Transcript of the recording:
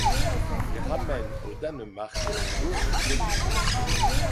Il ramène au Danemark d'autres religieux.